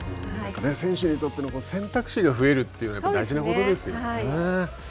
選手にとっての選択肢が増えるって大事なことですよね。